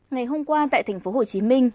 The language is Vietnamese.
ngày hôm qua tại thành phố hồ chí minh